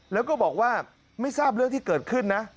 แล้วก็บอกว่าไม่ทราบเรื่องที่เกิดขึ้นนะ